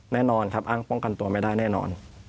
แน่นอนครับอ้างป้องกันตัวไม่ได้แน่นอน